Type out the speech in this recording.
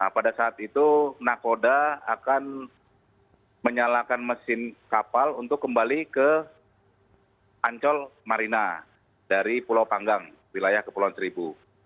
pada saat itu nakoda akan menyalakan mesin kapal untuk kembali ke ancol marina dari pulau panggang wilayah kepulauan seribu